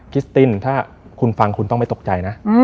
สติ้นถ้าคุณฟังคุณต้องไม่ตกใจนะ